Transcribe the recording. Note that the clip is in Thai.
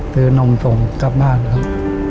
ซื้อนมส่งกับบ้านครับ